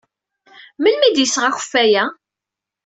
Melmi ay d-yesɣa akeffay-a?